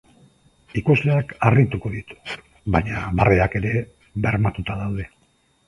Ikusleak harrituko ditu, baina barreak ere bermatuta daude.